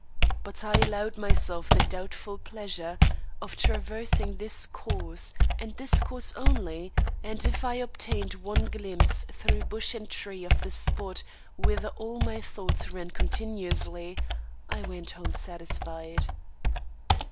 But I allowed myself the doubtful pleasure of traversing this course, and this course only, and if I obtained one glimpse through bush and tree of the spot whither all my thoughts ran continuously, I went home satisfied.